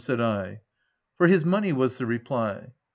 said I. " For his money," was the reply.